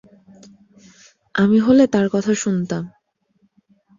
আমি হলে তার কথা শুনতাম।